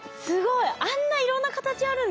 あんないろんな形あるんですね。